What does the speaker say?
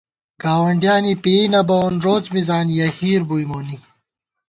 گاوَنڈیانے پېئ نہ بَوون روڅ مِزان یَہ ہِیر بُوئی مونی